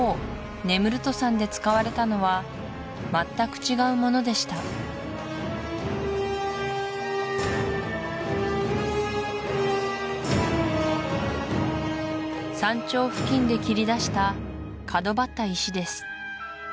ネムルト山で使われたのはまったく違うものでした山頂付近で切りだした角ばった石です